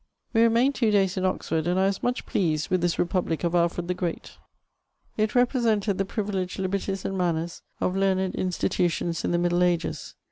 We remained two days in Oxford, and I was much {leased with this republic of Alfred the Great : it represmted the pri yileged liberties and manners of learned institutions in the middle ages.